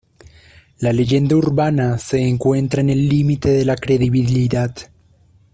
La leyenda urbana se encuentra en el límite de la credibilidad.